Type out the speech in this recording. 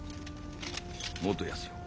元康よ。